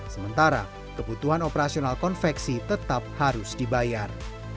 sementara kebutuhan operasional konveksi tetap harus dibayar